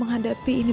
terima kasih bu